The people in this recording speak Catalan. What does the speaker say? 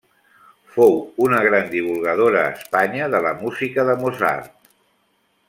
Fou una gran divulgadora a Espanya de la música de Mozart.